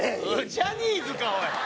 ジャニーズかおい！